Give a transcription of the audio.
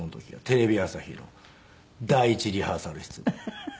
テレビ朝日の第１リハーサル室で。